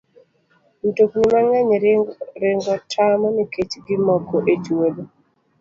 Mtokni mang'eny ringo tamo nikech gimoko e chwodho.